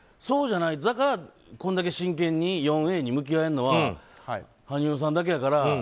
だから、こんだけ真剣に４Ａに向き合えるのは羽生さんだけやから。